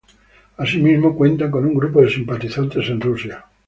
Asimismo, cuentan con un grupo de simpatizantes en Rusia.